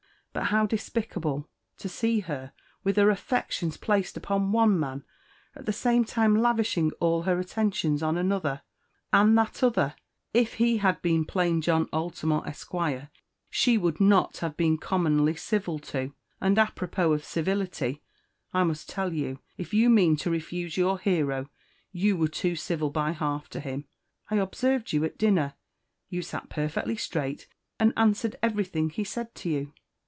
But how despicable to see her, with her affections placed upon one man, at the same time lavishing all her attentions on another and that other, if he had been plain John Altamont, Esq., she would not have been commonly civil to! And, àpropos of civility I must tell you, if you mean to refuse your hero, you were too civil by half to him. I observed you at dinner, you sat perfectly straight, and answered everything he said to you."